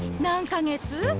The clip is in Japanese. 何か月？